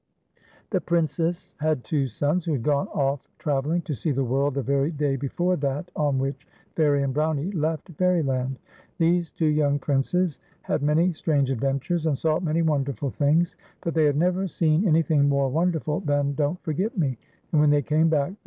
The Princess had two sons, who had gone off tra velling to see the world the very day before that on which Fairie and Brownie left Fair)land. These two young Princes had many strange adventures, and saw many wonderful things, but they had never seen anything more wonderful than Don"t F"orget Me, and when they came back, the fir.